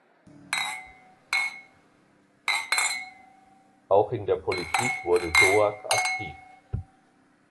Auch in der Politik wurde Doak aktiv.